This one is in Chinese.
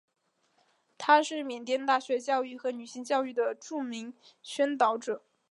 他是缅甸大学教育和女性教育的著名宣导者。